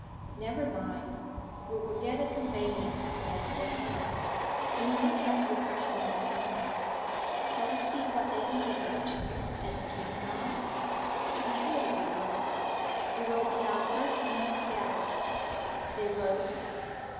'Never mind. We will get a conveyance at the hotel. And you must have refreshment of some kind. Shall we see what they can give us to eat at the King's Arms? To be sure we will. It will be our first meal together.' They rose.